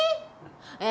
え